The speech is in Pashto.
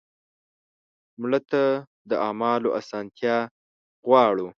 مړه ته د اعمالو اسانتیا غواړو